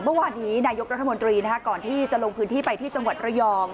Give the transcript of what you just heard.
เมื่อวานนี้นายกรัฐมนตรีก่อนที่จะลงพื้นที่ไปที่จังหวัดระยอง